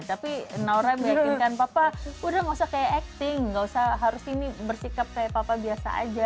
tapi naura meyakinkan papa udah gak usah kayak acting gak usah harus ini bersikap kayak papa biasa aja